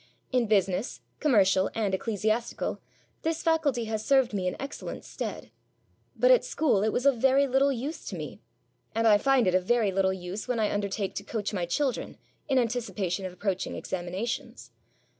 In business commercial and ecclesiastical this faculty has served me in excellent stead. But at school it was of very little use to me. And I find it of very little use when I undertake to coach my children in anticipation of approaching examinations.